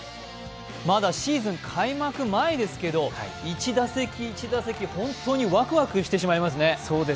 まだシーズン開幕前ですけど１打席、１打席、本当にワクワクしてしまいますね。